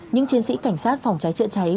những chiến sĩ cảnh sát phòng cháy chữa cháy